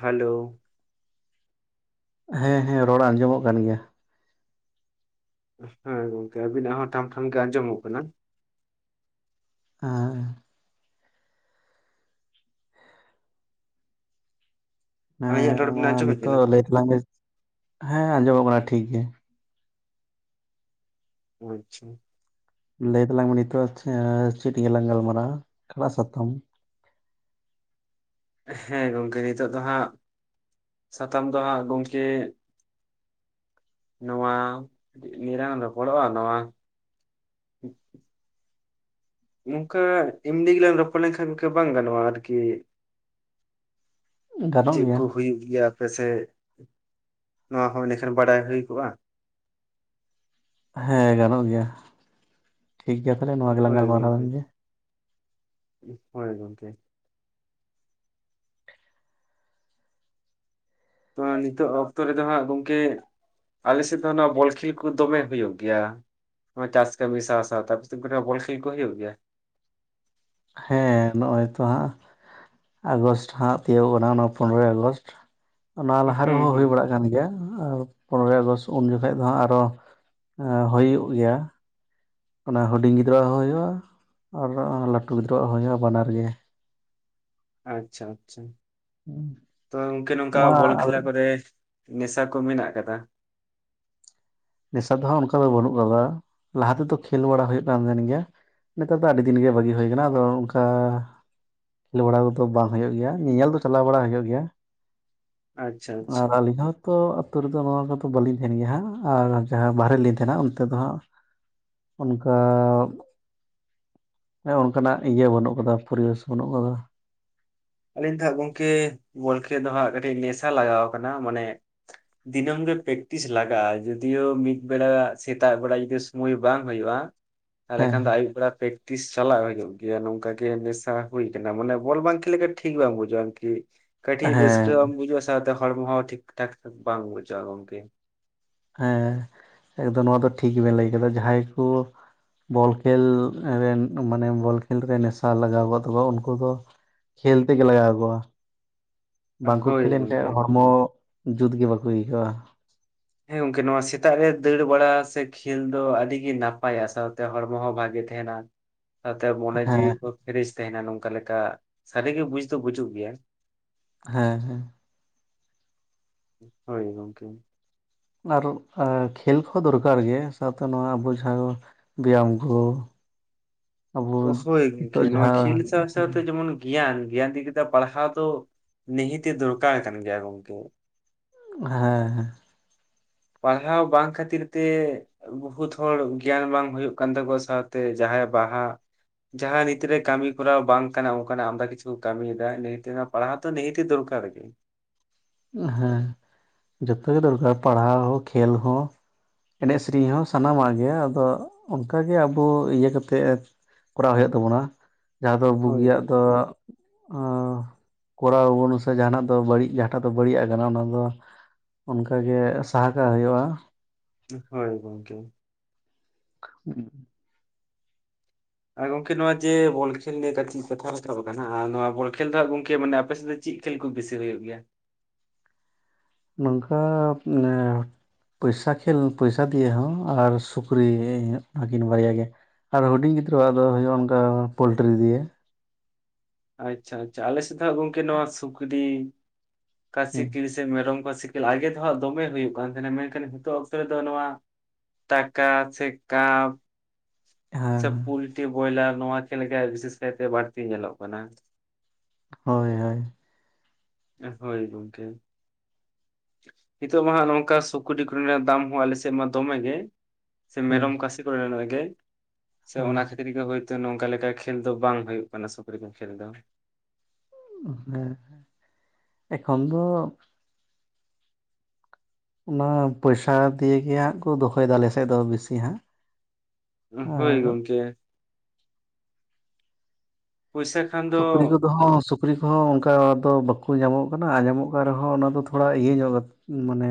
Hello ᱦᱮᱸ ᱦᱮᱸ ᱨᱚᱲ ᱟᱸᱡᱚᱢᱚᱜ ᱠᱟᱱ ᱜᱮᱭᱟ ᱾ ᱦᱮᱸ ᱜᱚᱝᱠᱮ ᱟᱵᱤᱱᱟᱜ ᱦᱚᱸ ᱴᱷᱟᱢ ᱴᱷᱟᱢ ᱜᱮ ᱟᱸᱡᱚᱢᱚᱜ ᱠᱟᱱᱟ᱾ [unintelligible] ᱟᱹᱞᱤᱧᱟᱜ ᱦᱮᱸ ᱨᱚᱲ ᱵᱤᱱ ᱢᱟ ᱟᱸᱡᱚᱢᱮᱫ ᱠᱟᱱᱟ ᱱᱤᱛᱚᱜ ᱞᱟᱹᱭ ᱛᱟᱞᱟᱝ ᱵᱮᱱ ᱦᱮᱸ ᱟᱸᱡᱚᱢᱚᱜ ᱠᱟᱱᱟ ᱴᱷᱤᱠ ᱜᱮ ᱚ ᱟᱪᱪᱷᱟ ᱞᱟᱹᱭ ᱛᱟᱞᱟᱝ ᱢᱮ ᱱᱤᱛᱚᱜ ᱪᱮ ᱪᱤᱫ ᱤᱭᱟᱹ ᱞᱟᱝ ᱜᱟᱞᱢᱟᱨᱜ-ᱟ ᱚᱠᱟᱴᱟᱜ ᱥᱟᱛᱟᱢ? ᱦᱮ ᱜᱚᱝᱠᱮ ᱱᱤᱛᱚᱜ ᱫᱚ ᱦᱟᱸᱜ ᱥᱟᱛᱟᱢ ᱫᱚ ᱦᱟᱸᱜ ᱜᱚᱝᱠᱮ ᱱᱚᱣᱟ ᱤᱭᱟᱹ ᱞᱟᱝ ᱨᱚᱯᱚᱲᱚᱜᱼᱟ ᱱᱚᱣᱟ [unintelligible] ᱱᱚᱝᱠᱟ ᱮᱢᱱᱤ ᱜᱮᱞᱟᱝ ᱨᱚᱯᱚᱲ ᱞᱮᱱᱠᱷᱟᱱ ᱵᱟᱝ ᱜᱟᱱᱚᱜᱼᱟ ᱟᱨᱠᱤ ᱜᱟᱱᱚᱜ ᱪᱮᱫ ᱜᱮᱭᱟ ᱠᱚ ᱦᱩᱭᱩᱜ ᱜᱮᱭᱟ ᱯᱮᱥᱮ ᱱᱚᱣᱟ ᱦᱚ ᱮᱱᱟᱠᱷᱟᱱ ᱵᱟᱰᱟᱭ ᱦᱩᱭ ᱠᱚᱜᱼᱟ ᱦᱮ ᱜᱟᱱᱚᱜ ᱜᱮᱭᱟ ᱴᱷᱤᱠᱜᱭᱟ ᱦᱳᱭ ᱜᱚᱝᱠᱮ ᱦᱳᱭ ᱜᱚᱝᱠᱮ ᱱᱚᱶᱟ ᱱᱤᱛᱚᱜ ᱚᱠᱛᱚ ᱨᱮᱫᱚ ᱦᱟᱸᱜ ᱜᱚᱝᱠᱮ ᱟᱞᱮ ᱥᱮᱫ ᱫᱚ ᱚᱱᱟ ᱵᱚᱞ ᱠᱷᱮᱞ ᱠᱚ ᱫᱚᱢᱮ ᱦᱩᱭᱩᱜ ᱜᱮᱭᱟ᱾ ᱱᱚᱶᱟ ᱪᱟᱥ ᱠᱟᱹᱢᱤ ᱥᱟᱶ ᱥᱟᱶ ᱛᱮ ᱟᱯᱮᱥᱮᱜ ᱵᱚᱞ ᱠᱷᱮᱞ ᱠᱚ ᱦᱩᱭᱩᱜ ᱜᱮᱭᱟ ᱦᱮᱸ ᱱᱚᱜᱼᱚᱭ ᱛᱚ ᱦᱟᱸᱜ ᱟᱜᱚᱥᱴ ᱦᱟᱸᱜ ᱛᱤᱭᱳᱜ ᱠᱟᱱᱟ ᱚᱱᱟ ᱯᱚᱱᱨᱚᱭ ᱟᱜᱚᱥᱴ ᱚᱱᱟ ᱦᱩᱸ ᱞᱟᱦᱟ ᱨᱮᱦᱚᱸ ᱦᱩᱸ ᱦᱩᱭ ᱵᱟᱲᱟᱜ ᱠᱟᱱ ᱜᱮᱭᱟ ᱟᱨ ᱯᱚᱱᱨᱚᱭ ᱟᱜᱚᱥᱴ ᱩᱱ ᱡᱚᱠᱷᱟᱡ ᱫᱚ ᱦᱟᱸᱜ ᱟᱨᱚ ᱦᱩᱭᱩᱜ ᱜᱮᱭᱟ ᱚᱱᱟ ᱦᱩᱰᱤᱧ ᱜᱤᱫᱽᱨᱟᱹ ᱣᱟᱜ ᱦᱚ ᱦᱩᱭᱩᱜᱼᱟ ᱟᱨ ᱞᱟᱹᱴᱩ ᱜᱤᱫᱽᱨᱟᱹ ᱣᱟᱜ ᱦᱚ ᱦᱩᱭᱩᱜᱼᱟ ᱵᱟᱱᱟᱨ ᱜᱮ ᱟᱪᱪᱷᱟ ᱟᱪᱪᱷᱟ ᱛᱚᱵᱮ ᱜᱚᱝᱠᱮ ᱱᱚᱝᱠᱟ ᱱᱚᱣᱟ ᱵᱚᱞ ᱠᱷᱮᱞᱟ ᱠᱚᱨᱮ ᱱᱮᱥᱟ ᱠᱚ ᱢᱮᱱᱟᱜ ᱠᱟᱫᱟ ᱱᱮᱥᱟ ᱫᱚᱦᱟᱸᱜ ᱚᱱᱠᱟ ᱫᱚ ᱵᱟᱹᱱᱩᱜ ᱠᱟᱫᱟ ᱞᱟᱦᱟ ᱛᱮᱫᱚ ᱠᱷᱮᱞ ᱵᱟᱲᱟ ᱦᱩᱭᱩᱜ ᱠᱟᱱ ᱛᱟᱦᱮᱱ ᱜᱮᱭᱟ ᱱᱮᱛᱟᱨ ᱫᱚ ᱟᱹᱰᱤ ᱫᱤᱱ ᱜᱮ ᱵᱷᱟᱹᱜᱤ ᱦᱩᱭ ᱠᱟᱱᱟ ᱟᱫᱚ ᱚᱱᱠᱟ ᱠᱷᱮᱞ ᱵᱟᱲᱟ ᱠᱚᱫᱚ ᱵᱟᱝ ᱦᱩᱭᱩᱜ ᱜᱮᱭᱟ ᱧᱮᱧᱮᱞ ᱫᱚ ᱪᱟᱞᱟᱣ ᱵᱟᱲᱟ ᱦᱩᱭᱩᱜ ᱜᱮᱭᱟ ᱟᱪᱪᱷᱟ ᱟᱪᱪᱷᱟ ᱟᱨ ᱟᱹᱞᱤᱧ ᱦᱚ ᱛᱚ ᱟᱹᱛᱩ ᱨᱮᱫᱚ ᱱᱚᱣᱟ ᱠᱚᱫᱚ ᱵᱟᱹᱞᱤᱧ ᱛᱟᱦᱮᱱ ᱜᱮᱭᱟ ᱦᱟᱸᱜ ᱟᱨ ᱡᱟᱦᱟ ᱵᱟᱦᱨᱮ ᱞᱤᱧ ᱛᱮᱦᱮᱱ-ᱟ ᱚᱱᱛᱮ ᱫᱚ ᱦᱟᱸᱜ ᱚᱱᱠᱟ ᱮ ᱚᱱᱠᱟᱱᱟᱜ ᱤᱭᱟᱹ ᱵᱟᱹᱱᱩᱜ ᱠᱟᱫᱟ ᱯᱟᱹᱨᱤᱣᱮᱥ ᱵᱟᱹᱱᱩᱜ ᱠᱟᱫᱟ᱾ ᱟᱹᱞᱤᱧ ᱫᱚ ᱦᱟᱸᱜ ᱜᱚᱝᱠᱮ ᱵᱚᱞ ᱠᱷᱮᱞ ᱫᱚ ᱦᱟᱸᱜ ᱠᱟᱹᱴᱤᱡ ᱱᱮᱥᱟ ᱞᱟᱜᱟᱣ ᱠᱟᱱᱟ ᱢᱟᱱᱮ ᱫᱤᱱᱟᱹᱢ ᱜᱮ ᱯᱮᱠᱴᱤᱥ ᱞᱟᱜᱟᱜᱼᱟ ᱡᱚᱫᱤᱭᱚ ᱢᱤᱫ ᱵᱮᱲᱟ ᱥᱮᱛᱟᱜ ᱵᱮᱲᱟ ᱡᱩᱫᱤ ᱥᱚᱢᱚᱭ ᱵᱟᱝ ᱦᱩᱭᱩᱜᱼᱟ ᱛᱟᱦᱞᱮ ᱦᱮᱸ ᱠᱷᱟᱱ ᱫᱚ ᱟᱹᱭᱩᱵ ᱵᱮᱲᱟ ᱯᱮᱥ ᱛᱤᱥ ᱪᱟᱞᱟᱜ ᱦᱩᱭᱩᱜ ᱜᱮᱭᱟ ᱱᱚᱝᱠᱟ ᱜᱮ ᱱᱮᱥᱟ ᱦᱩᱭ ᱠᱟᱱᱟ ᱢᱟᱱᱮ ᱵᱚᱞ ᱵᱟᱝ ᱠᱷᱮᱞ ᱞᱮᱠᱷᱟᱡ ᱴᱷᱤᱠ ᱵᱟᱝ ᱵᱩᱡᱷᱜᱟᱼᱟᱨᱠᱤ ᱠᱟᱹᱴᱤᱡ ᱦᱮᱸ ᱨᱟᱹᱥᱠᱟᱹ ᱵᱟᱢ ᱵᱩᱡᱟ ᱥᱟᱶᱛᱮ ᱦᱚᱲᱢᱚ ᱦᱚ ᱴᱷᱤᱠ ᱴᱷᱟᱠ ᱵᱟᱝ ᱵᱩᱡᱟᱹᱜᱼᱟ ᱜᱚᱝᱠᱮ ᱦᱮᱸ ᱮᱠᱫᱚᱢ ᱱᱚᱶᱟ ᱫᱚ ᱴᱷᱤᱠ ᱵᱮᱱ ᱞᱟᱹᱭ ᱠᱮᱫᱟ ᱡᱟᱦᱟᱸᱭ ᱠᱚ ᱵᱚᱞ ᱠᱷᱮᱞ ᱨᱮᱱ ᱢᱟᱱᱮ ᱵᱚᱞ ᱠᱷᱮᱞ ᱨᱮ ᱱᱮᱥᱟ ᱞᱟᱜᱟᱣ ᱠᱚᱜ ᱛᱟᱠᱚᱣᱟ ᱩᱱᱠᱩ ᱫᱚ ᱠᱷᱮᱞ ᱛᱮᱜᱮ ᱞᱟᱜᱟᱣ ᱠᱚᱣᱟ ᱵᱟᱝᱠᱚ ᱦᱳᱭ ᱠᱷᱮᱞ ᱜᱚᱝᱠᱮ ᱞᱮᱱᱠᱷᱟᱱ ᱦᱚᱲᱢᱚ ᱡᱩᱛᱜᱮ ᱵᱟᱠᱚ ᱟᱹᱭᱠᱟᱹᱣᱟ ᱦᱮᱸ ᱜᱚᱝᱠᱮ ᱱᱚᱶᱟ ᱥᱮᱛᱟᱜ ᱨᱮ ᱫᱟᱹᱲ ᱵᱟᱲᱟ ᱥᱮ ᱠᱷᱮᱞ ᱫᱚ ᱟᱹᱰᱤ ᱜᱮ ᱱᱟᱯᱟᱭᱟ ᱥᱟᱶᱛᱮ ᱦᱚᱲᱢᱚ ᱦᱚ ᱵᱷᱟᱜᱮ ᱛᱟᱦᱮᱱᱟ᱾ ᱥᱟᱶᱛᱮ ᱢᱚᱱᱮ ᱡᱤᱣᱤ ᱦᱮᱸ ᱠᱚᱦᱚ ᱯᱷᱨᱮᱥ ᱛᱟᱦᱮᱱᱟ ᱱᱚᱝᱠᱟ ᱞᱮᱠᱟ ᱥᱟᱹᱨᱤᱜᱮ ᱵᱩᱡᱽ ᱫᱚ ᱵᱩᱡᱩᱜ ᱜᱮᱭᱟ ᱦᱮᱸ ᱦᱚᱭ ᱜᱚᱝᱠᱮ ᱟᱨᱚ ᱟ ᱠᱷᱮᱞ ᱠᱚᱦᱚ ᱫᱚᱨᱠᱟᱨ ᱜᱮᱭᱟ ᱥᱟᱶᱛᱮ ᱱᱚᱣᱟ ᱟᱩᱡᱷᱟᱹᱣ ᱵᱮᱭᱟᱢ ᱠᱚ ᱟᱵᱚ ᱚᱡᱚᱜ ᱜᱮ ᱱᱤᱛᱚᱜ ᱱᱚᱶᱟ ᱡᱟᱦᱟᱸ ᱠᱷᱮᱞ ᱥᱟᱶ-ᱥᱟᱶᱛᱮ ᱡᱮᱢᱚᱱ ᱜᱮᱭᱟᱱ ᱜᱮᱭᱟᱱ ᱫᱤᱠᱟᱛᱮ ᱯᱟᱲᱦᱟᱣ ᱫᱚ ᱱᱤᱦᱟᱹᱛᱤ ᱫᱚᱨᱠᱟᱨ ᱠᱟᱱ ᱜᱮᱭᱟ ᱜᱚᱝᱠᱮ ᱟᱨ ᱯᱟᱲᱦᱟᱣ ᱵᱟᱝ ᱠᱷᱟᱹᱛᱤᱨ ᱛᱮ ᱵᱚᱦᱩᱛ ᱦᱚᱲ ᱜᱮᱭᱟᱱ ᱵᱟᱝ ᱦᱩᱭᱩᱜ ᱠᱟᱱ ᱛᱟᱠᱚᱣᱟ ᱥᱟᱶᱛᱮ ᱡᱟᱦᱟᱸᱭ ᱵᱟᱦᱟ ᱡᱟᱦᱟ ᱱᱤᱛ ᱨᱮ ᱠᱟᱹᱢᱤ ᱠᱚᱨᱟᱣ ᱵᱟᱝ ᱠᱟᱱᱟ ᱚᱱᱠᱟᱱᱟᱜ ᱟᱢᱫᱟ ᱠᱤᱪᱷᱩ ᱠᱚ ᱠᱟᱹᱢᱤ ᱭᱮᱫᱟ ᱞᱟᱹᱭ ᱠᱮᱭᱟᱢ ᱯᱟᱲᱦᱟᱣ ᱛᱚ ᱱᱤᱦᱟᱹᱛᱤ ᱫᱚᱨᱠᱟᱨ ᱜᱮ ᱦᱮᱸ ᱡᱚᱛᱚ ᱜᱮ ᱫᱚᱨᱠᱟᱨ ᱯᱟᱲᱦᱟᱣ ᱠᱷᱮᱞ ᱦᱚᱸ ᱮᱱᱮᱡ ᱥᱮᱨᱮᱧ ᱦᱚᱸ ᱥᱟᱱᱟᱢᱟᱜ ᱜᱮ ᱟᱫᱚ ᱚᱱᱠᱟᱜᱮ ᱟᱵᱚ ᱤᱭᱟᱹ ᱠᱟᱛᱮᱫ ᱠᱚᱨᱟᱣ ᱦᱩᱭᱩᱜ ᱛᱟᱵᱚᱱᱟ ᱡᱟᱦᱟᱸ ᱫᱚ ᱦᱳᱭ ᱵᱩᱜᱤᱭᱟᱜ ᱫᱚ ᱜᱚᱝᱠᱮ ᱠᱚᱨᱟᱣ ᱟᱵᱚᱱ ᱥᱮ ᱡᱟᱦᱟᱱᱟᱜ ᱫᱚ ᱵᱟᱹᱲᱤᱡ ᱡᱟ ᱟᱫᱚ ᱵᱟᱹᱲᱤᱡ ᱟᱜ ᱠᱟᱱᱟ ᱚᱱᱟ ᱫᱚ ᱚᱱᱠᱟ ᱜᱮ ᱥᱟᱦᱟ ᱠᱟᱜ ᱦᱩᱭᱩᱜᱼᱟ᱾ ᱦᱚᱭ ᱜᱚᱝᱠᱮ [inaudible] ᱟᱨ ᱜᱚᱝᱠᱮ ᱱᱚᱶᱟ ᱡᱮ ᱵᱚᱞ ᱠᱷᱮᱞ ᱞᱮ ᱠᱟᱹᱴᱤᱡ ᱠᱟᱛᱷᱟ ᱨᱟᱠᱟᱵ ᱟᱠᱟᱱᱟ ᱟᱨ ᱱᱚᱶᱟ ᱵᱚᱞ ᱠᱷᱮᱞ ᱫᱚ ᱦᱟᱸᱜ ᱜᱚᱝᱠᱮ ᱢᱟᱱᱮ ᱟᱯᱮᱥᱮᱫ ᱫᱚ ᱪᱮᱫ ᱠᱷᱮᱞ ᱠᱚ ᱵᱮᱥᱤ ᱦᱩᱭᱩᱜ ᱜᱮᱭᱟ ᱱᱚᱝᱠᱟ ᱢᱟᱱᱮ ᱯᱚᱭᱥᱟ ᱠᱷᱮᱞ ᱯᱚᱭᱥᱟ ᱫᱤᱭᱮ ᱦᱚᱸ ᱟᱨ ᱥᱩᱠᱨᱤ ᱟᱹᱠᱤᱱ ᱵᱟᱨᱭᱟ ᱜᱮ ᱟᱨ ᱦᱩᱰᱤᱧ ᱜᱤᱫᱽᱨᱟᱹᱣᱟᱜ ᱫᱚ ᱦᱩᱭᱩᱜ-ᱟ ᱚᱱᱠᱟ ᱯᱚᱞᱴᱨᱤ ᱨᱮᱭᱟᱜ ᱟᱪᱪᱷᱟ ᱟᱪᱪᱷᱟ ᱟᱞᱮ ᱥᱮᱫ ᱫᱚ ᱦᱟᱸᱜ ᱜᱚᱝᱠᱮ ᱱᱚᱶᱟ ᱥᱩᱠᱨᱤ ᱠᱟᱹᱥᱤ ᱦᱮᱸ ᱠᱤᱨᱤᱥ ᱥᱮ ᱢᱮᱨᱚᱢ ᱠᱚ ᱥᱤᱠᱮᱞ ᱟᱜᱮ ᱫᱚᱦᱟᱸᱜ ᱫᱚᱢᱮ ᱦᱩᱭᱩᱜ ᱠᱟᱱ ᱛᱟᱦᱮᱱᱟ ᱢᱮᱱᱠᱷᱟᱱ ᱱᱤᱛᱚᱜ ᱚᱠᱛᱚ ᱨᱮᱫᱚ ᱱᱚᱶᱟ ᱴᱟᱠᱟ ᱥᱮ ᱠᱟᱢ ᱦᱮᱸ ᱥᱮ ᱯᱩᱞᱴᱤ ᱵᱚᱭᱞᱟᱨ ᱱᱚᱶᱟ ᱠᱷᱮᱞ ᱜᱮ ᱵᱤᱥᱮᱥ ᱠᱟᱭᱛᱮ ᱵᱟᱹᱲᱛᱤ ᱧᱮᱞᱚᱜ ᱠᱟᱱᱟ ᱦᱳᱭ ᱦᱳᱭ ᱾ ᱦᱳᱭ ᱜᱚᱢᱠᱮ ᱾ ᱱᱤᱛᱚᱜ ᱢᱟ ᱦᱟᱸᱜ ᱱᱚᱝᱠᱟ ᱥᱩᱠᱨᱤ ᱠᱚᱨᱮ ᱨᱮᱱᱟᱜ ᱫᱟᱢ ᱦᱚᱸ ᱟᱞᱮ ᱥᱮᱫ ᱢᱟ ᱫᱚᱢᱮ ᱜᱮ ᱥᱮ ᱦᱮᱸ ᱢᱮᱨᱚᱢ ᱠᱟᱥᱤ ᱠᱚᱨᱮᱱᱟᱜ ᱜᱮ ᱥᱮ ᱦᱳᱭ ᱚᱱᱟ ᱠᱷᱟᱹᱛ ᱵᱷᱨᱤᱜᱮ ᱦᱚᱭᱛᱚ ᱱᱚᱝᱠᱟ ᱞᱮᱠᱟ ᱠᱷᱮᱞ ᱫᱚ ᱵᱟᱝ ᱦᱩᱭᱩᱜ ᱠᱟᱱᱟ ᱥᱩᱠᱨᱤ ᱠᱷᱮᱞ ᱫᱚ ᱦᱮᱸ ᱮᱠᱷᱚᱱ ᱫᱚ ᱚᱱᱟ ᱯᱚᱭᱥᱟ ᱫᱤᱭᱮᱜᱮ ᱦᱟᱸᱜ ᱠᱚ ᱫᱚᱦᱚᱭᱮᱫᱟ ᱟᱞᱮᱥᱮᱫ ᱫᱚ ᱵᱤᱥᱤ ᱦᱟᱸᱜ ᱚᱦᱚᱭ ᱟᱨ ᱜᱚᱢᱠᱮ ᱯᱩᱭᱥᱟᱹ ᱥᱩᱠᱨᱤ ᱠᱚ ᱫᱚ ᱦᱚ ᱥᱩᱠ ᱥᱩᱠᱨᱤ ᱠᱚᱦᱚᱸ ᱚᱱᱠᱟ ᱫᱚ ᱵᱟᱠᱚ ᱧᱟᱢᱚᱜ ᱠᱟᱱᱟ ᱟᱨ ᱧᱟᱢᱚᱜ ᱠᱟᱱ ᱨᱮᱦᱚᱸ ᱚᱱᱟ ᱫᱚ ᱛᱷᱚᱲᱟ ᱤᱭᱟᱹ ᱧᱚᱜ ᱠᱟ ᱢᱟᱱᱮ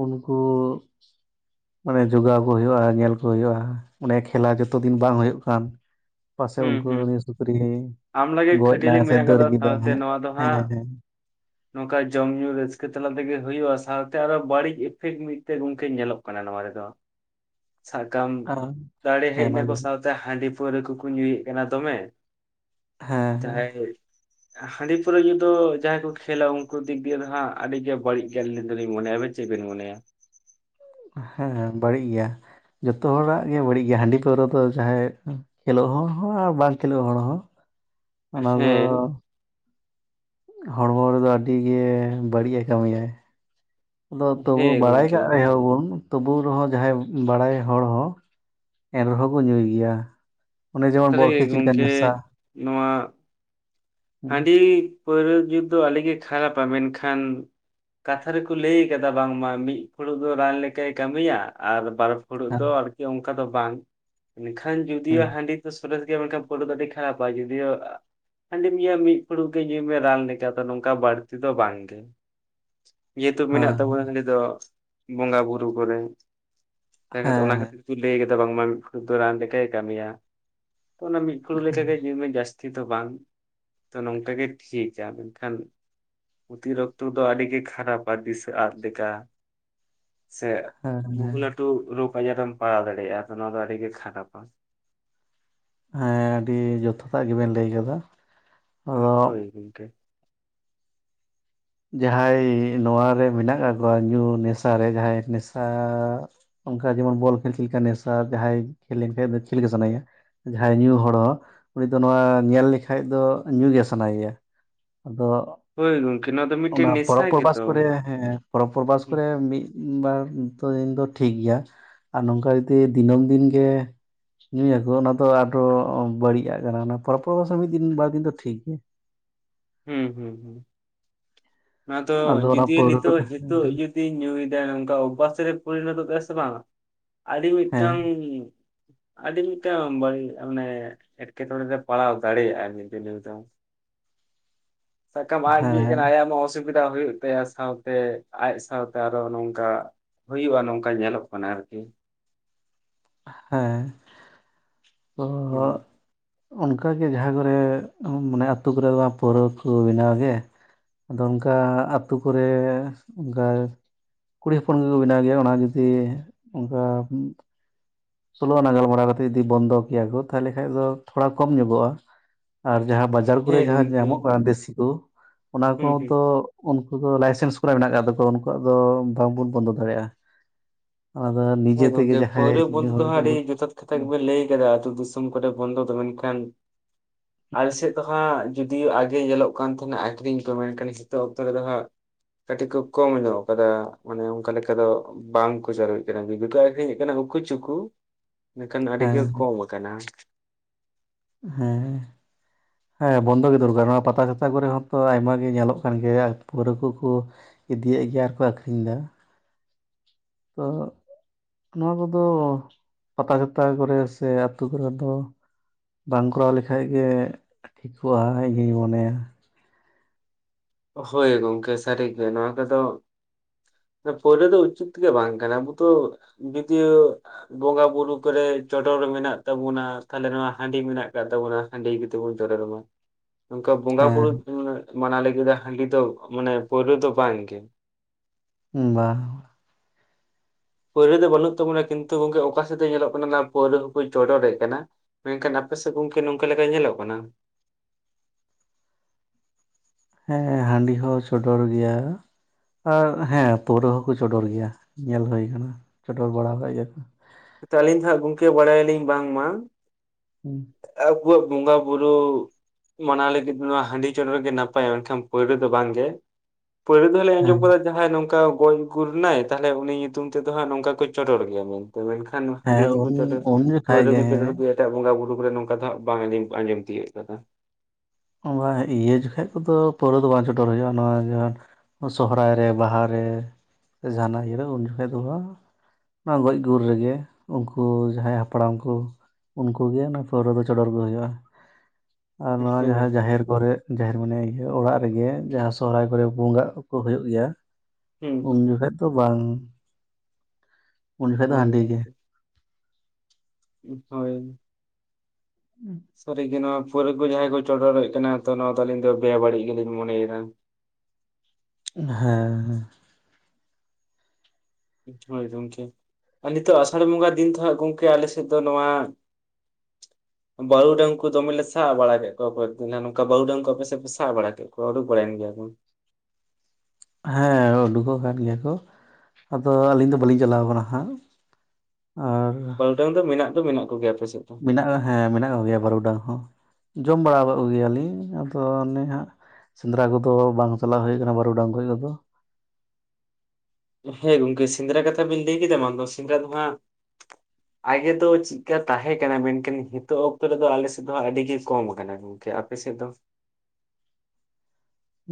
ᱩᱱᱠᱩ, ᱢᱟᱱᱮ ᱡᱚᱜᱟᱣ ᱠᱚ ᱦᱩᱭᱩᱜᱼᱟ ᱧᱮᱞ ᱠᱚ ᱦᱩᱭᱩᱜᱼᱟ ᱚᱱᱮ ᱠᱷᱮᱞᱟ ᱡᱚᱛᱚ ᱫᱤᱱ ᱵᱟᱝ ᱦᱩᱭᱩᱜ ᱠᱟᱱ ᱾ ᱯᱟᱥᱮ ᱦᱩᱸ ᱩᱱᱠᱩ ᱦᱩᱸ ᱩᱱᱤ ᱥᱩᱠᱨᱤ ᱟᱢ ᱞᱟᱹᱜᱤᱫ ᱜᱚᱡ ᱠᱷᱟᱹᱴᱭᱟᱹ ᱱᱟᱭ ᱞᱤᱧ ᱥᱮ ᱢᱮᱱ ᱫᱟᱹᱲ ᱟᱠᱟᱫᱟ ᱠᱮᱫᱟ ᱥᱟᱶᱛᱮ ᱦᱟᱸᱜ ᱱᱚᱣᱟ ᱫᱚ ᱦᱮᱸ ᱦᱟᱸᱜ ᱦᱮᱸ ᱱᱚᱝᱠᱟ ᱡᱚᱢ ᱧᱩ ᱨᱟᱹᱥᱠᱟᱹ ᱛᱟᱞᱟ ᱛᱮᱜᱮ ᱦᱩᱭᱩᱜᱼᱟ ᱥᱟᱶᱛᱮ ᱟᱨᱚ ᱵᱟᱹᱲᱤᱡ ᱤᱯᱷᱮᱠᱴ ᱢᱤᱫᱴᱮᱱ ᱜᱚᱝᱠᱮ ᱧᱮᱞᱚᱜ ᱠᱟᱱᱟ ᱱᱚᱣᱟ ᱨᱮᱫᱚ ᱾ ᱥᱟᱜ ᱠᱟᱢ ᱟᱨ ᱫᱟᱲᱮ ᱦᱮᱸ ᱦᱮᱡ ᱢᱟ ᱱᱟᱠᱳ ᱞᱟᱹᱭ ᱢᱮ ᱥᱟᱶᱛᱮ ᱦᱟᱺᱰᱤ ᱯᱟᱹᱣᱨᱟᱹ ᱠᱚᱠᱚ ᱧᱩᱭᱮᱫ ᱠᱟᱱᱟ ᱫᱚᱢᱮ ᱦᱮᱸ ᱾ ᱡᱟᱦᱟᱸᱭ [unintelligible] ᱦᱟᱺᱰᱤ ᱯᱟᱹᱣᱨᱟᱹ ᱧᱩ ᱫᱚ ᱡᱟᱦᱟᱸᱭ ᱠᱚ ᱠᱷᱮᱹᱞᱟ ᱩᱱᱠᱩ ᱫᱤᱠ ᱫᱤᱭᱮ ᱫᱚ ᱦᱟᱸᱜ ᱟᱹᱰᱤ ᱜᱮ ᱵᱟᱹᱲᱤᱡ ᱜᱮᱭᱟ ᱟᱞᱤᱧ ᱫᱚᱞᱤᱧ ᱢᱚᱱᱮᱭᱟ ᱟᱵᱮᱱ ᱪᱮᱫ ᱵᱮᱱ ᱢᱚᱱᱮᱭᱟ? ᱦᱮᱸ ᱦᱮᱸ ᱵᱟᱹᱲᱤᱡ ᱜᱮᱭᱟ ᱡᱚᱛᱚ ᱦᱚᱲᱟᱜ ᱜᱮ ᱵᱟᱹᱲᱤᱡ ᱜᱮᱭᱟ ᱦᱟᱺᱰᱤ ᱯᱟᱹᱣᱨᱟᱹ ᱫᱚ ᱡᱟᱦᱟᱸᱭ ᱠᱷᱮᱞᱳᱜ ᱦᱚᱲ ᱦᱚᱸ ᱟᱨ ᱵᱟᱝ ᱠᱷᱮᱞᱳᱜ ᱦᱚᱲ ᱦᱚᱸ ᱚᱱᱟ ᱫᱚ ᱦᱮᱸ ᱦᱚᱲᱢᱚ ᱨᱮᱫᱚ ᱟᱹᱰᱤ ᱜᱮ ᱵᱟᱹᱲᱤᱡᱼ ᱮ ᱠᱟᱹᱢᱤᱭᱟᱭ ᱾ ᱟᱫᱚ ᱛᱚᱵᱩ ᱦᱮᱸ ᱵᱟᱲᱟᱭ ᱜᱚᱝᱠᱮ ᱠᱟᱜ ᱨᱮᱦᱚᱸ ᱵᱚᱱ, ᱛᱚᱵᱩ ᱨᱮᱦᱚᱸ ᱡᱟᱦᱟᱸᱭ ᱵᱟᱲᱟᱭ ᱦᱚᱲ ᱦᱚᱸ ᱮᱱᱨᱮᱦᱚᱸ ᱠᱚ ᱧᱩᱭ ᱜᱮᱭᱟ ᱾ ᱚᱱ ᱡᱮᱢᱚᱱ ᱥᱟᱹᱨᱤ ᱠᱚᱞ ᱜᱮ ᱠᱷᱮᱞ ᱪᱮᱫ ᱞᱮᱠᱟ ᱜᱚᱝᱠᱮ ᱱᱮᱥᱟ ᱾ ᱱᱚᱣᱟ ᱦᱟᱺᱰᱤ ᱯᱟᱹᱣᱨᱟᱹ ᱡᱩᱜᱽ ᱫᱚ ᱟᱹᱰᱤ ᱜᱮ ᱠᱷᱟᱨᱟᱯᱟ ᱢᱮᱱᱠᱷᱟᱱ ᱠᱟᱛᱷᱟ ᱨᱮᱠᱚ ᱞᱟᱹᱭ ᱠᱟᱫᱟ ᱵᱟᱝᱢᱟ ᱢᱤᱫ ᱯᱷᱩᱲᱩᱜ ᱫᱚ ᱨᱟᱱ ᱞᱮᱠᱟᱭ ᱠᱟᱹᱢᱤᱭᱟ ᱟᱨ ᱵᱟᱨ ᱯᱷᱩᱲᱩᱜ ᱦᱮᱸ ᱫᱚ ᱟᱨᱠᱤ ᱚᱱᱠᱟ ᱫᱚ ᱵᱟᱝ ᱮᱱᱠᱷᱟᱱ ᱡᱩᱫᱤᱭᱳ ᱦᱮᱸ ᱦᱟᱺᱰᱤ ᱥᱚᱨᱮᱥ ᱜᱮᱭᱟ ᱢᱮᱱ ᱠᱷᱟᱱ ᱯᱟᱣᱨᱟᱹ ᱫᱚ ᱟᱹᱰᱤ ᱠᱷᱟᱨᱟᱯᱟᱭ ᱡᱚᱫᱤᱭᱳ [unintelligible] ᱢᱤᱫ ᱯᱷᱩᱲᱩᱜ ᱜᱮ ᱧᱩᱭ ᱢᱮ ᱨᱟᱱ ᱞᱮᱠᱟ ᱫᱚ ᱱᱚᱝᱠᱟ ᱵᱟᱹᱲᱛᱤ ᱫᱚ ᱵᱟᱝᱜᱮ ᱾ ᱡᱮᱦᱮᱛᱩ ᱢᱮᱱᱟᱜ ᱦᱮᱸ ᱛᱟᱵᱚᱱᱟ ᱦᱟᱹᱰᱤ ᱫᱚ ᱵᱚᱸᱜᱟ ᱵᱩᱨᱩ ᱠᱚᱨᱮ ᱚᱱᱟ ᱦᱮᱸ ᱦᱮᱸ ᱠᱷᱟᱹᱛᱤᱨ ᱠᱚ ᱞᱟᱹᱭ ᱠᱮᱫᱟ ᱵᱟᱝᱢᱟ ᱢᱤᱫ ᱯᱷᱩᱲᱩ ᱫᱚ ᱨᱟᱱ ᱞᱮᱠᱟᱭ ᱠᱟᱹᱢᱤᱭᱟ ᱛᱚ ᱚᱱᱟ ᱢᱤᱫ ᱯᱷᱩᱲᱩᱜ ᱞᱮᱠᱟᱜᱮ ᱡᱟᱹᱥ ᱛᱤ ᱫᱚ ᱵᱟᱝ ᱾ ᱛᱚ ᱱᱚᱝᱠᱟ ᱜᱮ ᱴᱷᱤᱠ ᱟ ᱢᱮᱱ ᱠᱷᱟᱱ ᱩᱛᱩ ᱨᱚᱠᱛᱚ ᱫᱚ ᱟᱹᱰᱤ ᱠᱷᱟᱨᱯᱟ ᱫᱤᱥᱟ. ᱟᱫ ᱞᱮᱠᱟ ᱾ ᱥᱮ ᱦᱮᱸ ᱵᱚᱦᱩ ᱦᱮᱸ ᱞᱟᱹᱴᱩ ᱨᱩᱯ ᱟᱡᱟᱨᱢ ᱯᱟᱲᱟᱣ ᱫᱟᱲᱮᱭᱟᱜᱼᱟ ᱛᱟ ᱱᱚᱣᱟ ᱫᱚ ᱟᱹᱰᱤ ᱜᱮ ᱠᱷᱟᱨᱟᱯᱟ ᱾ ᱦᱮᱸ ᱟᱹᱰᱤ ᱡᱚᱛᱷᱟᱛᱟᱜ ᱜᱮᱵᱮᱱ ᱞᱟᱹᱭ ᱠᱟᱫᱟ ᱟᱫᱚ ᱦᱳᱭ ᱜᱚᱝᱠᱮ ᱡᱟᱦᱟᱸᱭ ᱱᱚᱶᱟ ᱨᱮ ᱢᱮᱱᱟᱜ ᱠᱟᱜ ᱠᱚᱣᱟ ᱧᱩ ᱱᱮᱥᱟ ᱨᱮ ᱡᱟᱦᱟᱸᱭ ᱱᱮᱥᱟᱻ ᱚᱱᱠᱟ ᱡᱮᱢᱚᱱ ᱵᱚᱞ ᱠᱷᱮᱞ ᱪᱮᱫ ᱞᱮᱠᱟ ᱱᱮᱥᱟ ᱡᱟᱦᱟᱸᱭ ᱠᱷᱮᱞ ᱞᱮᱱᱠᱷᱟᱱᱡ ᱠᱷᱮᱞ ᱜᱮ ᱥᱟᱱᱟᱭᱮᱭᱟ, ᱡᱟᱦᱟᱸᱭ ᱧᱩ ᱦᱚᱲ ᱦᱚᱸ ᱩᱱᱤ ᱫᱚ ᱱᱚᱶᱟ ᱧᱮᱞ ᱞᱮᱠᱷᱟᱡ ᱫᱚ ᱧᱩ ᱜᱮ ᱥᱟᱱᱟᱭᱮᱭᱟ᱾ ᱟᱫᱚ, ᱦᱳᱭ ᱜᱚᱝᱠᱮ ᱱᱚᱶᱟ ᱫᱚ ᱢᱤᱫ ᱚᱱᱟ ᱯᱚᱨᱚᱵᱽ ᱯᱚᱨᱵᱟᱥ ᱠᱚᱨᱮ ᱦᱮᱸ ᱯᱚᱨᱚᱵᱽ ᱯᱚᱨᱵᱟᱥ ᱠᱚᱨᱮ ᱢᱤᱫ ᱵᱟᱨ ᱫᱚᱭ ᱫᱤᱱ ᱫᱚ ᱴᱷᱤᱠ ᱜᱮᱭᱟ ᱟᱨ ᱱᱚᱝᱠᱟ ᱡᱩᱫᱤ ᱫᱤᱱᱟᱹᱢ ᱫᱤᱱ ᱜᱮ, ᱧᱩᱭᱟᱠᱚ ᱚᱱᱟ ᱫᱚ ᱟᱨᱚ ᱵᱟᱹᱲᱤᱡ ᱟᱜ ᱠᱟᱱᱟ ᱚᱱᱟ ᱯᱚᱨᱚᱵᱽ ᱯᱚᱨᱵᱷᱟᱟᱥ [unintelligible] ᱢᱤᱫ ᱫᱤᱱ ᱵᱟᱨ ᱫᱤᱱ ᱫᱚ ᱴᱷᱤᱠ ᱜᱮᱭᱟ᱾ ᱦᱩᱸ ᱦᱩᱸ ᱦᱩᱸ ᱱᱚᱣᱟ ᱫᱚ ᱟᱫᱚ ᱚᱱᱟ ᱡᱩᱫᱤ ᱯᱟᱹᱣᱨᱟᱹ ᱫᱚ ᱱᱤᱛᱚᱜ ᱦᱤᱛᱚᱜ ᱡᱩ ᱛᱤ ᱧᱩᱭ ᱫᱟ ᱚᱱᱠᱟ ᱚᱵᱽᱵᱷᱟᱥ ᱨᱮ ᱯᱚᱨᱤᱱᱚᱛᱚᱜ ᱛᱟᱭᱟ ᱥᱮ ᱵᱟᱝ? ᱟᱹᱰᱤ ᱦᱮᱸ ᱢᱤᱫᱴᱟᱝ ᱟᱹᱰᱤ ᱢᱤᱫᱴᱟᱝ ᱵᱟᱹᱲᱤ ᱟ ᱢᱟᱱᱮ ᱮᱴᱠᱮᱼᱴᱚᱲᱮ ᱨᱮ ᱯᱟᱲᱟᱣ ᱫᱟᱲᱮᱭᱟᱜᱼᱟ ᱢᱤᱫ ᱫᱤᱱ [unintelligible] ᱥᱟᱜ ᱠᱟᱢ ᱧᱩᱭᱮᱜ ᱦᱮᱸ ᱠᱟᱱᱟ ᱟᱭᱟᱜ ᱢᱟ ᱚᱥ ᱥᱩᱵᱤᱫᱷᱟ ᱦᱩᱭᱩᱜ ᱛᱟᱭᱟ ᱥᱟᱶᱛᱮ ᱟᱡ ᱥᱟᱶᱛᱮ ᱟᱨᱚ ᱱᱚᱝᱠᱟ ᱾ ᱦᱩᱭᱩᱜᱼᱟ ᱱᱚᱝᱠᱟ ᱧᱮᱞᱚᱜ ᱠᱟᱱᱟ ᱟᱨᱠᱤ ᱾ ᱦᱮᱸ ᱚ ᱦᱩᱸ ᱚᱱᱠᱟ ᱜᱮ ᱡᱟᱦᱟᱸ ᱠᱚᱨᱮ ᱢᱟᱱᱮ ᱟᱹᱛᱩ ᱠᱚᱨᱮ ᱫᱚ ᱯᱟᱹᱣᱨᱟᱹ ᱠᱚ ᱵᱮᱱᱟᱣ ᱡᱮ᱾ ᱟᱫᱚ ᱚᱱᱠᱟ ᱟᱹᱛᱩ ᱠᱚᱨᱮ ᱚᱱᱠᱟ ᱠᱩᱲᱤ ᱦᱚᱯᱚᱱ ᱜᱮᱠᱚ ᱵᱮᱱᱟᱣ ᱜᱮᱭᱟ ᱚᱱᱟ ᱡᱩᱫᱤ ᱚᱱᱠᱟ ᱾ ᱥᱳᱞᱳ ᱟᱱᱟ ᱜᱟᱞᱢᱟᱨᱟᱣ ᱠᱟᱛᱮ ᱡᱩᱚᱫᱤ ᱵᱚᱱᱫᱚ ᱠᱮᱭᱟ ᱠᱚ ᱛᱟᱦᱚᱞᱮ ᱠᱷᱟᱱ ᱫᱚ ᱛᱷᱚᱲᱟ ᱠᱚᱢ ᱧᱚᱜᱚᱜᱼᱟ ᱟᱨ ᱡᱟᱦᱟᱸ ᱵᱟ ᱵᱟᱡᱟᱨ ᱠᱚᱨᱮ ᱦᱮᱸ ᱡᱟᱦᱟᱸ ᱜᱚᱝᱠᱮ ᱧᱟᱢᱚᱜ ᱠᱟᱱᱟ ᱫᱮᱥᱤ ᱠᱚ ᱚᱱᱟ ᱦᱩᱸ ᱠᱚᱦᱚᱸ ᱦᱩᱸ ᱛᱚ ᱩᱱᱠᱩ ᱫᱚ ᱞᱟᱭᱥᱮᱱᱥ ᱠᱚᱨᱟ ᱢᱮᱱᱟᱜ ᱟᱠᱟᱫ ᱛᱟᱠᱚᱣᱟ ᱩᱱᱠᱩᱣᱟᱜ ᱫᱚ ᱵᱟᱝ ᱵᱚᱱ ᱵᱚᱱᱫᱚ ᱫᱟᱲᱮᱭᱟᱜᱼᱟ᱾ ᱚᱱᱟ ᱫᱚ ᱱᱤᱡᱮ ᱛᱮᱜᱮ ᱡᱟᱦᱟᱸᱭ ᱵᱚᱱᱫᱷ ᱫᱚ ᱦᱚᱲ ᱦᱟᱸᱜ ᱦᱮᱸ ᱟᱹᱰᱤ ᱡᱚᱛᱷᱟᱛ ᱠᱟᱛᱷᱟ ᱜᱮᱵᱮᱱ ᱞᱟᱹᱭ ᱠᱟᱫᱟ ᱟᱛᱩ ᱫᱤᱥᱚᱢ ᱠᱚᱨᱮ ᱵᱚᱱᱫᱚ ᱫᱚ ᱢᱮᱱᱠᱷᱟᱱ ᱟᱞᱮ ᱥᱮᱫ ᱫᱚ ᱦᱟᱸᱜ ᱡᱩᱫᱤ ᱟᱜᱮ ᱧᱮᱞᱚᱜ ᱠᱟᱱ ᱛᱟᱦᱮᱱᱟ ᱟᱹᱠᱷᱨᱤᱧ ᱛᱚ ᱢᱮᱱᱠᱷᱟᱱ ᱦᱤᱛᱚᱜ ᱚᱠᱛᱚ ᱨᱮᱫᱚ ᱦᱟᱸᱜ ᱠᱟᱹᱴᱤᱡ ᱠᱚ ᱠᱚᱢ ᱧᱚᱜ ᱟᱠᱟᱫᱟ ᱢᱟᱱᱮ ᱚᱱᱠᱟ ᱞᱮᱠᱟ ᱫᱚ ᱵᱟᱝ ᱠᱚ ᱪᱟᱞᱩᱭ [unintelligible] ᱡᱩᱫᱤ ᱠᱚ ᱟᱹᱠᱷᱨᱤᱧᱮᱜ ᱠᱟᱱᱟ ᱩᱠᱩ ᱪᱩᱠᱩ ᱢᱮᱱᱠᱷᱟᱱ ᱟᱹᱰᱤ ᱜᱮ ᱠᱚᱢ ᱟᱠᱟᱱᱟ᱾ ᱦᱮᱸ᱾ ᱦᱮᱸ ᱵᱚᱱᱫᱚ ᱜᱮ ᱫᱚᱨᱠᱟᱨ ᱱᱚᱣᱟ ᱯᱟᱛᱟ ᱪᱷᱟᱛᱟ ᱠᱚᱨᱮ ᱦᱚᱸᱛᱚ ᱟᱭᱢᱟ ᱜᱮ ᱧᱮᱞᱚᱜ ᱠᱟᱱ ᱜᱮᱭᱟ ᱯᱟᱹᱣᱨᱟᱹ ᱠᱩᱠᱩ ᱤᱫᱤᱭᱮᱜ ᱜᱮᱭᱟ ᱟᱨ ᱠᱚ ᱟᱠᱷᱨᱤᱧ ᱫᱟ᱾ ᱚ᱾ ᱱᱚᱣᱟ ᱠᱚᱫᱚ ᱯᱟᱛᱟ ᱪᱷᱟᱛᱟ ᱠᱚᱨᱮ ᱥᱮ ᱟᱹᱛᱩ ᱠᱚᱨᱮ ᱫᱚ ᱵᱟᱝ ᱠᱚᱨᱟᱣ ᱞᱮᱠᱷᱟᱡ ᱜᱮ ᱴᱷᱤᱠᱚᱜᱼᱟ ᱤᱧ ᱦᱚᱸᱧ ᱢᱚᱱᱮᱭᱟ᱾ ᱦᱳᱭ ᱜᱚᱢᱠᱮ ᱥᱟᱹᱨᱤ ᱜᱮ ᱱᱚᱣᱟ ᱠᱚᱫᱚ ᱯᱳᱭᱞᱳ ᱫᱚ ᱩᱪᱤᱛ ᱜᱮ ᱵᱟᱝ ᱠᱟᱱᱟ ᱟᱵᱚ ᱛᱚ ᱫᱤᱛᱤᱭᱚ ᱵᱚᱸᱜᱟ ᱵᱩᱨᱩ ᱠᱚᱨᱮ ᱪᱚᱰᱚᱨ ᱢᱮᱱᱟᱜ ᱛᱟᱵᱚᱱᱟ ᱛᱟᱞᱚᱦᱮ ᱱᱚᱣᱟ ᱦᱟᱺᱰᱤ ᱢᱮᱱᱟᱜ ᱠᱟᱜ ᱛᱟᱵᱚᱱᱟ ᱦᱟᱺᱰᱤ ᱜᱤ ᱛᱮᱜᱮ ᱵᱚᱱ ᱪᱚᱰᱚᱨ ᱢᱟ᱾ ᱱᱚᱝᱠᱟ ᱵᱚᱸᱜᱟᱼᱵᱩᱨᱩ ᱦᱮᱸ [inaudible] ᱢᱟᱱᱟᱣ ᱞᱟᱹᱜᱤᱫ ᱫᱚ ᱦᱟᱺᱰᱤ ᱫᱚ ᱢᱟᱱᱮ ᱯᱳᱭᱨᱳ ᱫᱚ ᱵᱟᱝ ᱜᱮ᱾ ᱩᱸ ᱵᱟ ᱯᱟᱹᱣᱨᱟᱹ ᱫᱚ ᱵᱟᱹᱱᱩᱜ ᱛᱟᱵᱚᱱᱟ ᱠᱤᱱᱛᱩ ᱜᱚᱝᱠᱮ ᱚᱠᱟ ᱥᱮᱫ ᱫᱚ ᱧᱮᱞᱚᱜ ᱠᱟᱱᱟ ᱚᱱᱟ ᱯᱟᱹᱣᱨᱟᱹ ᱦᱚᱸᱠᱚ ᱪᱚᱰᱚᱨᱮᱜ ᱠᱟᱱᱟ᱾ ᱢᱮᱱᱠᱷᱟᱱ ᱟᱯᱮ ᱥᱮᱜ ᱜᱚᱝᱠᱮ ᱱᱚᱝᱠᱟ ᱞᱮᱠᱟ ᱧᱮᱞᱚᱜ ᱠᱟᱱᱟ? ᱦᱮᱸ ᱦᱟᱺᱰᱤ ᱦᱚᱸ ᱪᱚᱰᱚᱨ ᱜᱮᱭᱟ᱾ ᱟᱨ ᱦᱮᱸ ᱯᱟᱹᱣᱨᱟᱹ ᱦᱚᱸᱠᱚ ᱪᱚᱰᱚᱨ ᱜᱮᱭᱟ ᱧᱮᱞ ᱦᱩᱭ ᱠᱟᱱᱟ ᱪᱚᱰᱚᱨ ᱵᱟᱲᱟ ᱟᱠᱟᱫ ᱜᱮᱭᱟ ᱠᱚ᱾ ᱮᱛᱮ ᱟᱹᱞᱤᱧ ᱫᱚ ᱦᱟᱸᱜ ᱜᱚᱝᱠᱮ ᱵᱟᱲᱟᱭᱟᱞᱤᱧ ᱵᱟᱝᱢᱟ ᱦᱩᱸ᱾ ᱟᱵᱩᱣᱟᱜ ᱵᱚᱸᱜᱟᱼᱵᱩᱨᱩ᱾ ᱢᱟᱱᱟᱣ ᱞᱟᱹᱜᱤᱫ ᱱᱚᱣᱟ ᱦᱟᱺᱰᱤ ᱪᱚᱰᱚᱨ ᱜᱮ ᱱᱟᱯᱟᱭᱟ ᱢᱮᱱᱠᱷᱟᱱ ᱯᱟᱹᱣᱨᱟᱹ ᱫᱚ ᱵᱟᱝ ᱜᱮ ᱯᱟᱹᱣᱨᱟᱹ ᱫᱚᱞᱮ ᱟᱸᱡᱚᱢ ᱵᱟᱲᱟ ᱡᱟᱦᱟᱸᱭ ᱱᱚᱝᱠᱟ ᱜᱚᱡ ᱜᱩᱨ ᱱᱟᱭ ᱛᱟᱦᱚᱞᱮ ᱩᱱᱤ ᱧᱩᱛᱩᱢ ᱛᱮᱫᱚ ᱦᱟᱸᱜ ᱱᱚᱝᱠᱟ ᱠᱚ ᱪᱚᱰᱚᱨ ᱜᱮᱭᱟ, ᱢᱮᱱ ᱛᱚ ᱢᱮᱱᱠᱷᱟᱱ ᱦᱟᱸᱰᱤ ᱦᱮᱸ ᱫᱩᱠᱩ‌ ᱩᱱ ᱪᱚᱰᱚᱨ, ᱩᱱ ᱡᱚᱠᱷᱟᱡ ᱯᱟᱹᱣᱨᱟᱹ ᱜᱮ ᱠᱩ‌ ᱦᱮᱸ ᱪᱚᱰᱚᱨ ᱜᱮᱭᱟ᱾ ᱮᱴᱟᱜ ᱵᱚᱸᱜᱟᱼᱵᱩᱨᱩ ᱠᱚᱨᱮ ᱱᱚᱝᱠᱟ ᱫᱚ ᱦᱟᱸᱜ ᱵᱟᱝ ᱟᱸᱡᱚᱢ ᱟᱸᱡᱚᱢ ᱛᱤᱭᱟᱹᱜ ᱠᱟᱫᱟ᱾ ᱚᱸ ᱵᱟ ᱤᱭᱟᱹ ᱡᱚᱠᱷᱟᱡ ᱠᱚᱫᱚ ᱯᱟᱹᱣᱨᱟᱹ ᱫᱚ ᱵᱟᱝ ᱪᱚᱰᱚᱨ ᱦᱩᱭᱩᱜᱼᱟ ᱱᱚᱣᱟ ᱡᱟᱦᱟᱸ ᱥᱚᱦᱚᱨᱟᱭ ᱨᱮ ᱵᱟᱦᱟ ᱨᱮ ᱥᱮ ᱡᱟᱦᱟᱸ ᱱᱟᱜ ᱤᱭᱟᱹ ᱨᱮ ᱩᱱ ᱡᱚᱠᱷᱚᱡ ᱫᱚ‌ᱵᱟ᱾ ᱚᱱᱟ ᱜᱚᱡ ᱜᱩᱨ ᱨᱮᱜᱮ ᱩᱱᱠᱩ ᱡᱟᱦᱟᱸᱭ ᱦᱟᱯᱲᱟᱢ ᱠᱩ᱾ ᱩᱱᱠᱩ ᱜᱮ ᱚᱱᱟ ᱯᱟᱹᱣᱨᱟᱹ ᱫᱚ ᱪᱚᱰᱚᱨ ᱜᱮ ᱦᱩᱭᱩᱜᱼᱟ ᱟᱨ ᱱᱚᱣᱟ ᱦᱮᱸ ᱦᱮᱸ ᱡᱟᱦᱟᱸ ᱜᱷᱚᱨᱮ ᱡᱟᱦᱮᱨ ᱢᱟᱱᱮ ᱤᱭᱟᱹ ᱚᱲᱟᱜ ᱨᱮᱜᱮ ᱡᱟᱦᱟᱸ ᱥᱚᱦᱚᱨᱟᱭ ᱠᱚᱨᱮ ᱵᱚᱸᱜᱟᱜ ᱠᱚ ᱦᱚᱭᱚᱜ ᱜᱮᱭᱟ᱾ ᱦᱩᱸ ᱩᱱ ᱦᱩᱸ ᱦᱩᱸ ᱡᱚᱠᱷᱟᱡ ᱛᱚ ᱵᱟᱝ᱾ ᱤ ᱩᱱ ᱡᱚᱠᱷᱮᱡ ᱫᱚ ᱥᱚᱢᱚᱭ ᱦᱟᱺᱰᱤ ᱜᱮ ᱜᱚᱝᱠᱮ᱾ ᱩᱸᱜ ᱦᱚᱭ᱾ ᱩᱸ᱾ ᱥᱟᱹᱨᱤ ᱜᱮ ᱱᱚᱣᱟ ᱯᱟᱹᱣᱨᱟᱹ ᱠᱚ ᱡᱟᱦᱟᱸᱭ ᱠᱚ ᱪᱚᱰᱚᱨᱮᱜ ᱠᱟᱱᱟ ᱛᱚ ᱱᱚᱣᱟ ᱫᱚ ᱟᱹᱞᱤᱧ ᱫᱚ ᱵᱮᱼᱵᱟᱹᱲᱤᱡ ᱜᱮᱞᱤᱧ ᱢᱚᱱᱮᱭᱮᱫᱟ᱾ ᱦᱮᱸ᱾ ᱦᱳᱭ ᱜᱚᱝᱠᱮ ᱟᱨ ᱱᱤᱛᱚᱜ ᱟᱥᱟᱲ ᱵᱚᱸᱜᱟ ᱫᱤᱱ ᱫᱚᱦᱟᱸᱜ ᱜᱚᱢᱠᱮ ᱟᱞᱮ ᱥᱮᱫ ᱫᱚ ᱱᱚᱶᱟ ᱵᱟᱹᱨᱩ ᱰᱟᱝ ᱠᱩ ᱫᱚᱢᱮ ᱞᱮ ᱥᱟᱵ ᱵᱟᱲᱟ ᱠᱮᱜ ᱠᱚᱣᱟ ᱵᱟᱨ ᱫᱤᱱ ᱦᱟᱸᱜ ᱱᱩᱝᱠᱟ ᱵᱟᱹᱨᱩ ᱰᱟᱝ ᱠᱚ ᱟᱯᱮ ᱥᱮᱜ ᱯᱮ ᱥᱟᱵ ᱵᱟᱲᱟ ᱠᱮᱜ ᱠᱚ ᱚᱰᱩᱠ ᱵᱟᱲᱟᱭᱮᱱ ᱜᱮᱭᱟ ᱠᱩ᱾ ᱦᱮᱸ ᱩᱰᱩᱠᱚᱜ ᱠᱟᱱ ᱜᱮᱭᱟ ᱠᱚ ᱟᱫᱚ ᱟᱹᱞᱤᱧ ᱫᱚ ᱵᱟᱹᱞᱤᱧ ᱪᱟᱞᱟᱣ ᱠᱟᱱᱟ ᱦᱟᱸᱜ᱾ ᱟᱸᱨ ᱵᱟᱨᱩᱰᱟᱹᱝ ᱫᱚ ᱢᱮᱱᱟᱜ ᱫᱚ ᱢᱮᱱᱟᱜ ᱠᱚ ᱜᱮᱭᱟ ᱟᱯᱮ ᱥᱮᱜ ᱫᱚ᱾ ᱦᱮᱱᱟᱜ ᱦᱮᱸ ᱢᱮᱱᱟᱜ ᱠᱚ ᱜᱮᱭᱟ ᱵᱟᱹᱨᱩᱰᱟᱝ ᱦᱚᱸ ᱡᱚᱢ ᱵᱟᱲᱟᱣ ᱠᱟᱜ ᱠᱚ ᱜᱮᱭᱟ ᱞᱤᱧ ᱟᱫᱚ ᱚᱱᱮ ᱦᱟᱸᱜ ᱥᱮᱸᱫᱽᱨᱟ ᱠᱩᱫᱚ ᱵᱟᱝ ᱪᱟᱞᱟᱣ ᱦᱩᱭ ᱠᱟᱱᱟ ᱵᱟᱨᱩᱜᱰᱟᱝ ᱠᱚ ᱜᱚᱡ ᱠᱚᱫᱚ᱾ ᱦᱮᱸ ᱜᱚᱝᱠᱮ ᱥᱮᱸᱫᱽᱨᱟ ᱠᱟᱛᱷᱟ ᱵᱤᱱ ᱞᱟᱹᱭ ᱠᱮᱫᱟ ᱢᱟ ᱟᱫᱚ ᱥᱮᱸᱫᱽᱨᱟ ᱫᱚ ᱦᱟᱸᱜᱼᱼ ᱟᱜᱮ ᱫᱚ ᱪᱤᱜᱠᱟ ᱛᱟᱦᱮᱸ ᱠᱟᱱᱟ ᱢᱮᱱᱠᱷᱟᱱ ᱦᱤᱸᱛᱚᱜ ᱚᱠᱛᱚ ᱨᱮᱫᱚ ᱟᱞᱮ ᱥᱮᱜ ᱫᱚ ᱦᱟᱸᱜ ᱟᱹᱰᱤ ᱜᱮ ᱠᱚᱢ ᱠᱟᱱᱟ‌ ᱜᱚᱝ ᱠᱮ ᱟᱯᱮ ᱥᱮᱜ ᱫᱚ ᱾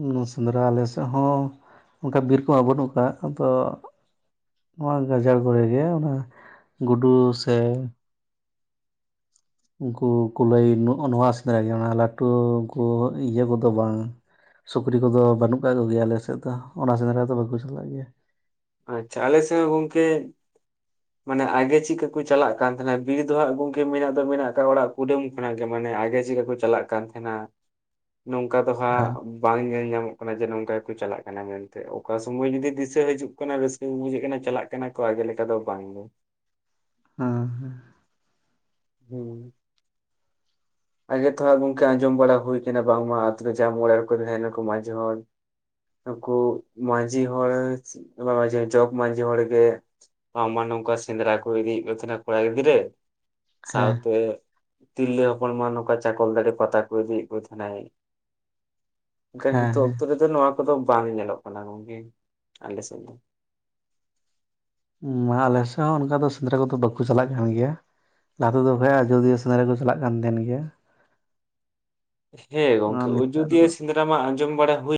ᱩᱱᱻ ᱥᱮᱸᱫᱽᱨᱟ ᱟᱞᱮ ᱥᱮᱜ ᱦᱚᱸ ᱚᱱᱠᱟ ᱵᱤᱨ ᱠᱚᱦᱚᱸ ᱵᱟᱹᱱᱩᱜ ᱠᱟᱜ-ᱟ ᱟᱫᱚᱼᱼ ᱱᱚᱣᱟ ᱜᱟᱡᱟᱲ ᱠᱚᱨᱮ ᱜᱮ ᱚᱱᱟ ᱜᱩᱰᱩ ᱥᱮᱼᱼ ᱩᱱᱠᱩ ᱠᱩᱞᱟᱹᱭ ᱱᱚᱜ-ᱚ ᱱᱚᱶᱟ ᱥᱮᱸᱫᱽᱨᱟ ᱜᱮ ᱚᱱᱟ ᱞᱟᱴᱩ ᱩᱱᱠᱩ ᱤᱭᱟᱹ ᱠᱚᱫᱚ ᱵᱟᱝ᱾ ᱥᱩᱠᱨᱤ ᱠᱚᱫᱚ ᱵᱟᱱᱩᱜ ᱠᱟᱜ ᱠᱚᱜᱮᱭᱟ ᱟᱞᱮ ᱥᱮᱜ ᱫᱚ ᱚᱱᱟ ᱥᱮᱸᱫᱽᱨᱟ ᱫᱚ ᱵᱟᱹᱠᱩ ᱪᱟᱞᱟᱜ ᱜᱮᱭᱟ᱾ ᱟᱪᱪᱷᱟ ᱟᱞᱮ ᱥᱮᱜ ᱦᱚᱸ ᱜᱚᱝᱠᱮᱼᱼ ᱢᱟᱱᱮ ᱟᱜᱮ ᱪᱤᱜᱠᱟᱹ ᱠᱚ ᱪᱟᱞᱟᱜ ᱠᱟᱱ ᱛᱟᱦᱮᱸᱱᱟ ᱵᱤᱨ ᱫᱚ ᱦᱟᱸᱜ ᱜᱚᱝᱠᱮ ᱢᱮᱱᱟᱜ ᱫᱚ ᱢᱮᱱᱟᱜ ᱟᱠᱟᱜ-ᱟ ᱚᱲᱟᱜ ᱠᱩᱰᱟᱹᱢᱼᱼ ᱢᱮᱱᱟᱜ ᱜᱮ ᱢᱟᱱᱮ ᱟᱜᱮ ᱪᱤᱜᱠᱟᱹ ᱠᱚ ᱪᱟᱞᱟᱜ ᱠᱟᱱ ᱛᱮᱦᱮᱱᱟ ᱱᱚᱝᱠᱟ ᱫᱚ ᱦᱟᱸᱜ ᱦᱮᱸ ᱵᱟᱝ ᱧᱮᱞ ᱧᱟᱢᱚᱜ ᱠᱟᱱᱟ ᱡᱮ ᱱᱚᱝᱠᱟ ᱜᱮᱠᱚ ᱪᱟᱞᱟᱜ ᱠᱟᱱᱟ ᱢᱮᱱᱛᱮ ᱚᱠᱟ ᱥᱩᱢᱟᱹᱭ ᱡᱩᱫᱤ ᱫᱤᱥᱟᱹ ᱦᱟᱹᱡᱩᱜ ᱠᱟᱱᱟ ᱨᱟᱹᱥᱼᱼ ᱠᱟᱹ ᱵᱩᱡᱷᱟᱹᱜ ᱠᱟᱱᱟ ᱪᱟᱞᱟᱜ ᱠᱟᱱᱟ ᱠᱚ ᱟᱜᱮ ᱞᱮᱠᱟ ᱫᱚ ᱵᱟᱝ ᱜᱮ᱾ ᱦᱚᱸ ᱦᱮᱸ᱾ ᱦᱩᱸ᱾ ᱟᱜᱮ ᱛᱮᱦᱚᱸ ᱜᱚᱝᱠᱮ ᱟᱸᱡᱚᱢ ᱵᱟᱲᱟ ᱦᱩᱭ ᱠᱟᱱᱟ ᱵᱟᱝ ᱢᱟ ᱟᱛᱩ ᱨᱮ ᱡᱟᱦᱟᱸᱭ ᱢᱚᱬᱮ ᱦᱚᱲ ᱠᱚ ᱛᱮᱦᱮᱱᱟ ᱠᱚ ᱢᱟᱸᱡᱷᱮ ᱦᱚᱲᱼᱼ ᱩᱱᱠᱩ ᱢᱟᱸᱡᱷᱤ ᱦᱚᱲ ᱪᱚ ᱵᱟ ᱵᱟᱝ ᱡᱚᱜᱽ ᱢᱟᱸᱡᱷᱤ ᱦᱚᱲ ᱜᱮᱼᱼ ᱵᱟᱝ ᱢ‌ᱟ ᱱᱩᱝᱠᱟ ᱥᱮᱸᱫᱽᱨᱟ ᱠᱩ ᱤᱫᱤ ᱭᱮᱜ ᱠᱩ ‌ᱛᱮᱦᱮᱱᱟ ᱠᱚᱲᱟ ᱜᱤᱫᱽᱨᱟᱹ ᱼᱼ ᱦᱮᱸ ᱥᱟᱶᱛᱮ ᱛᱤᱨᱞᱟᱹ ᱦᱚᱯᱚᱱ ᱢᱟ ᱱᱚᱝᱠᱟ ᱪᱟᱠᱚᱞ ᱛᱟᱲᱤ ᱯᱟᱛᱟ ᱠᱚ ᱤᱫᱤᱭᱮᱜ ᱠᱩ ᱛᱮᱦᱮᱱᱟᱭ᱾ ᱚᱱᱠᱟ ᱦᱮᱸ ᱦᱤᱸᱛᱚᱜ ᱦᱮᱸ ᱚᱠᱛᱚ ᱨᱮᱼᱼ ᱛᱚ ᱱᱚᱣᱟ ᱠᱚᱫᱚ ᱵᱟᱝ ᱧᱮᱞᱚᱜ ᱠᱟᱱᱟ ᱜᱚᱝᱠᱮ ᱟᱞᱮ ᱥᱮᱡ ᱫᱚ᱾ ᱩᱻ ᱢᱟ ᱟᱞᱮ ᱥᱮᱜ ᱦᱚᱸ ᱚᱱᱠᱟ ᱫᱚ ᱥᱮᱸᱫᱽᱨᱟ ᱠᱩᱫᱚ ᱵᱟᱹᱠᱩ ᱪᱟᱞᱟᱜ ᱠᱟᱱ ᱜᱮᱭᱟ᱾ ᱞᱟᱦᱟ ᱛᱮᱫᱚ ᱵᱟᱠᱷᱟᱡ ᱟᱡᱚᱫᱤᱭᱟᱹ ᱥᱮᱸᱫᱽᱨᱟ ᱠᱚ ᱪᱟᱞᱟᱜ ᱠᱟᱱ ᱛᱮᱦᱮᱸᱱ ᱜᱮᱭᱟ᱾ ᱦᱮᱸ ᱜᱚᱝᱠᱮ ᱱᱮᱛᱟᱨ ᱚᱡᱚᱫᱤᱭᱟᱹ ᱫᱚ ᱥᱮᱸᱫᱽᱨᱟ ᱢᱟ ᱟᱸᱡᱚᱢ ᱵᱟᱲᱟ ᱦᱩᱭᱼᱼ